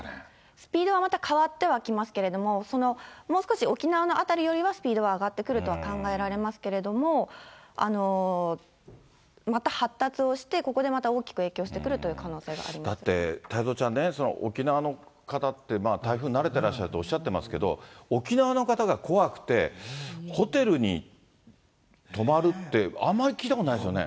スピードは変わってはきますけれども、そのもう少し沖縄の辺りよりはスピードは上がってくるとは考えられますけれども、また発達をして、ここでまた大きく影響してくるという可能性はありまだって太蔵ちゃんね、沖縄の方って台風慣れてらっしゃるっておっしゃってますけど、沖縄の方が怖くてホテルに泊まるって、あんまり聞いたことないですよね。